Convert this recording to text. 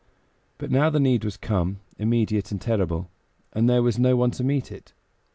But now the need was come, immediate and terrible, and there was no one to meet it.